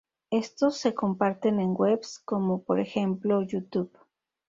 Estos se comparten en Webs, como por ejemplo YouTube.